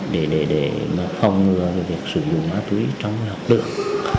để phòng ngừa việc sử dụng ma túy trong học đường